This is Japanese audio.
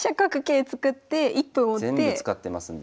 全部使ってますんで。